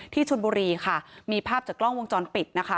ชนบุรีค่ะมีภาพจากกล้องวงจรปิดนะคะ